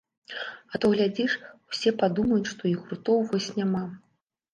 А то глядзіш, усе падумаюць, што і гуртоў вось няма!